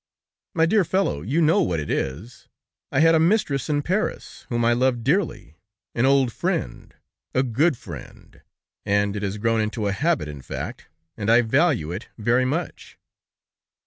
"My dear fellow, you know what it is. I had a mistress in Paris, whom I loved dearly; an old friend, a good friend, and it has grown into a habit, in fact, and I value it very much."